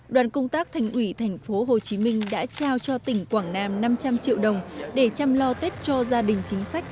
đoàn công tác thành ủy tp hcm đã trao cho tỉnh quảng nam năm trăm linh triệu đồng để chăm lo tết cho gia đình chính sách